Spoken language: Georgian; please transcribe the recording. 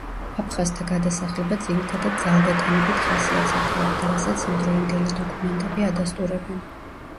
აფხაზთა გადასახლება, ძირითადად, ძალდატანებით ხასიათს ატარებდა, რასაც იმდროინდელი დოკუმენტები ადასტურებენ.